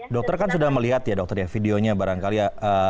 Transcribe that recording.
dokter kan sudah melihat ya dokter ya videonya barangkali ya